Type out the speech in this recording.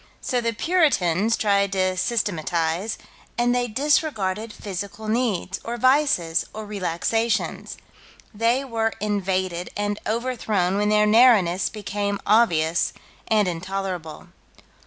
So the Puritans tried to systematize, and they disregarded physical needs, or vices, or relaxations: they were invaded and overthrown when their narrowness became obvious and intolerable.